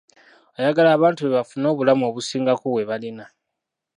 Ayagala abantu be bafune obulamu obusingako bwe balina.